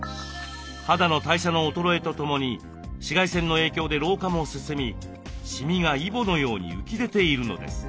肌の代謝の衰えとともに紫外線の影響で老化も進みシミがイボのように浮き出ているのです。